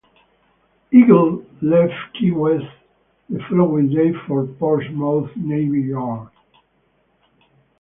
"Eagle" left Key West the following day for Portsmouth Navy Yard.